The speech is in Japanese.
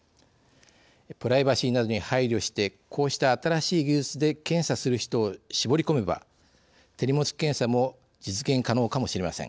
プライバシーなどに配慮してこうした新しい技術で検査する人を絞り込めば手荷物検査も実現可能かもしれません。